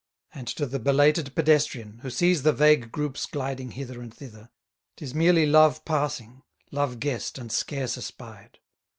And to the belated pedestrian, who sees the vague groups gliding hither and thither, 'tis merely love passing, love guessed and scarce espied.